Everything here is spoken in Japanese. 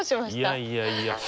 いやいやいや。